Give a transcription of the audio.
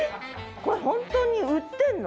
これ本当に売ってんの？